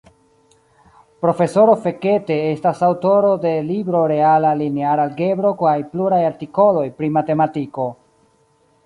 Profesoro Fekete estas aŭtoro de libro Reala Lineara Algebro kaj pluraj artikoloj pri matematiko.